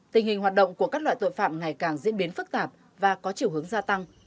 tình hình hoạt động của các loại tội phạm ngày càng diễn biến phức tạp và có chiều hướng gia tăng